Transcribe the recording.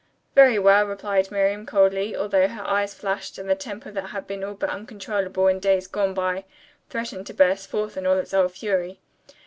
"Very well," replied Miriam coldly, although her eyes flashed and the temper that had been all but uncontrollable in days gone by threatened to burst forth in all its old fury.